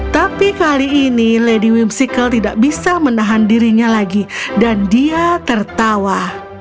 tapi kali ini lady whimsical tidak bisa menahan dirinya lagi dan dia tertawa